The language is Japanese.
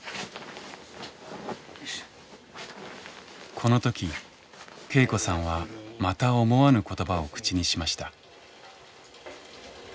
この時恵子さんはまた思わぬ言葉を口にしました。